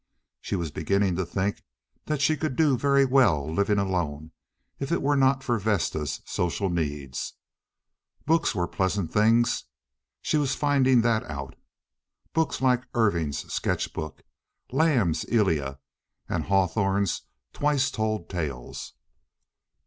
She was beginning to think that she could do very well living alone if it were not for Vesta's social needs. Books were pleasant things—she was finding that out—books like Irving's Sketch Book, Lamb's Elia, and Hawthorne's _Twice Told Tales.